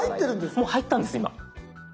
もう入ったんです今。